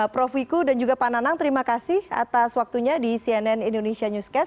prof wiku dan juga pak nanang terima kasih atas waktunya di cnn indonesia newscast